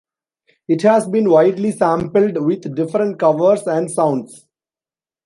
It has been widely sampled, with different covers and sounds.